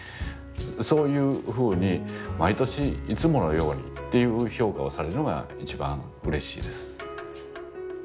そういうふうに毎年「いつものように」っていう評価をされるのが一番うれしいです。